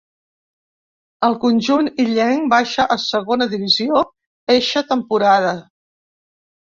Al conjunt illenc baixa a Segona Divisió eixa temporada.